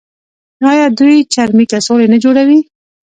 آیا دوی چرمي کڅوړې نه جوړوي؟